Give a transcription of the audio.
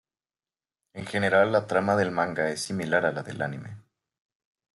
En general la trama del manga es similar a la del anime.